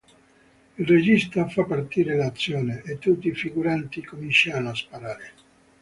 Il regista fa partire l'azione, e tutti i figuranti cominciano a sparare.